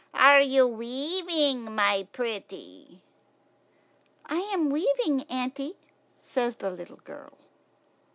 Are you weaving, my pretty?" "I am weaving, auntie," says the little girl.